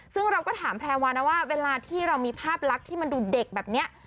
ซึ่งเราก็ถามแพรวานะว่าเวลาที่เรามีภาพลักษณ์ที่มันดูเด็กแบบนี้